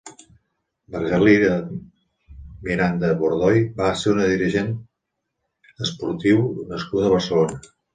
Margalida Miranda Bordoy va ser una dirigent esportiu nascuda a Barcelona.